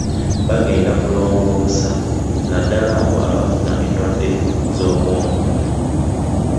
Bagenda kulongoosa nnaddala abo abafuna endwadde z'obwongo.